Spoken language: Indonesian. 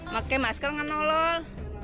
pakai masker nggak nolol